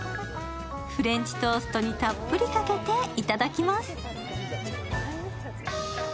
フレンチトーストにたっぷりかけていただきます。